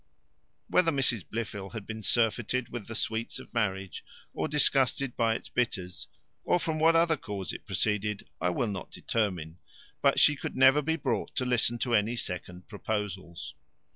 Whether Mrs Blifil had been surfeited with the sweets of marriage, or disgusted by its bitters, or from what other cause it proceeded, I will not determine; but she could never be brought to listen to any second proposals.